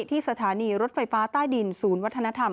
ที่สถานีรถไฟฟ้าใต้ดินศูนย์วัฒนธรรม